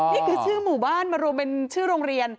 นี่คือชื่อหมู่บ้านมารวมเป็นชื่อโรงเรียน